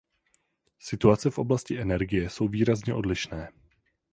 Situace v oblasti energie jsou výrazně odlišné.